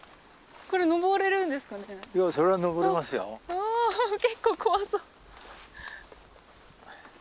あ結構怖そう。